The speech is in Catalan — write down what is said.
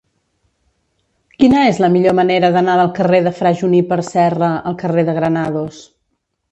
Quina és la millor manera d'anar del carrer de Fra Juníper Serra al carrer de Granados?